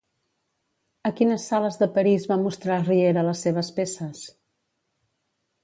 A quines sales de París va mostrar Riera les seves peces?